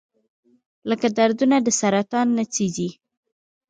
لکه دردونه د سرطان نڅیږي